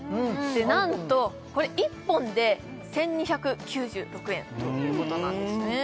なんとこれ１本で１２９６円ということなんですね